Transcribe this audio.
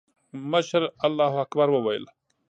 مشر الله اکبر وويل.